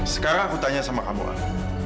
sekarang aku tanya sama kamu anak